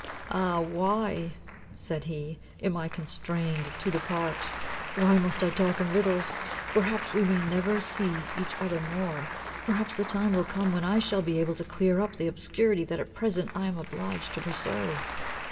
"Ah, why," said he, "am I constrained to depart! Why must I talk in riddles! Perhaps we may never see each other more. Perhaps the time will come when I shall be able to clear up the obscurity that at present I am obliged to preserve.